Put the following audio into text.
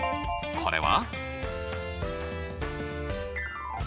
これは？